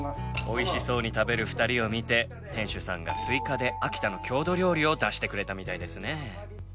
美味しそうに食べる２人を見て店主さんが追加で秋田の郷土料理を出してくれたみたいですね。